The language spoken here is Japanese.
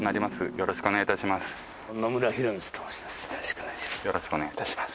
よろしくお願いします。